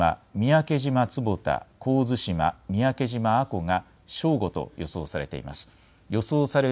そして伊豆大島、三宅島坪田、神津島、三宅島阿古が正午と予想されています。